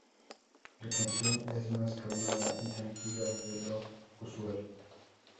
La canción es más calmada y tranquila de lo usual.